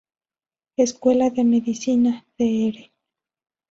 Escuela de Medicina Dr.